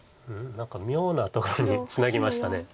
何か妙なところにツナぎました。